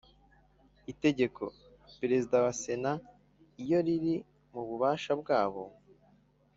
itegeko Perezida wa Sena iyo riri mu bubasha bwa bo